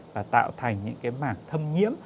và tạo thành những mảng thâm nhiễm